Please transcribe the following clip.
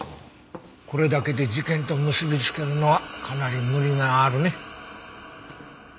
これだけで事件と結びつけるのはかなり無理があるね。